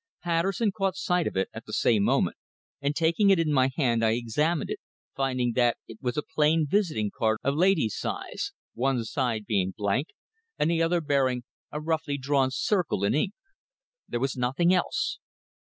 Patterson caught sight of it at the same moment, and taking it in my hand I examined it, finding that it was a plain visiting card of lady's size, one side being blank, and other bearing a roughly drawn circle in ink. There was nothing else.